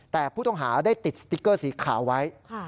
แต่ผู้ต้องหาได้ติดสติ๊กเกอร์สีขาวไว้